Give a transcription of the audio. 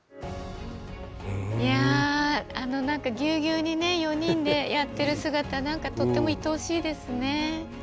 なんかぎゅうぎゅうにね４人でやっている姿とてもいとおしいですね。